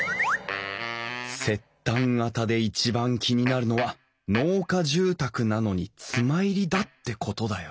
摂丹型で一番気になるのは農家住宅なのに妻入りだってことだよ